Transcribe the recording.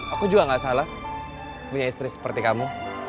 aku juga gak salah punya istri seperti kamu